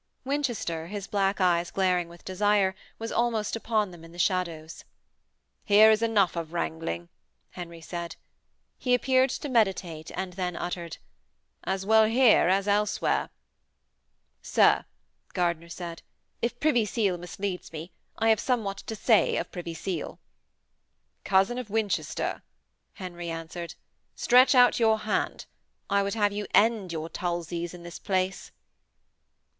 Winchester, his black eyes glaring with desire, was almost upon them in the shadows. 'Here is enough of wrangling,' Henry said. He appeared to meditate, and then uttered: 'As well here as elsewhere.' 'Sir,' Gardiner said, 'if Privy Seal misleads me, I have somewhat to say of Privy Seal.' 'Cousin of Winchester,' Henry answered. 'Stretch out your hand, I would have you end your tulzies in this place.'